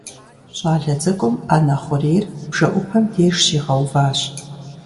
Щӏалэ цӏыкӏум ӏэнэ хъурейр бжэӏупэм деж щигъэуващ.